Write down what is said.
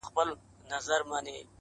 نه یې جنډۍ سته نه یې قبرونه -